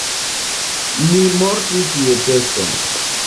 Li mortis je pesto.